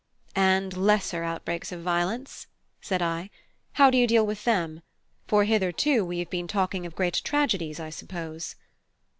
"And lesser outbreaks of violence," said I, "how do you deal with them? for hitherto we have been talking of great tragedies, I suppose?"